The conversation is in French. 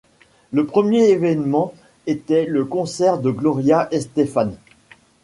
Le premier événement était le concert de Gloria Estefan.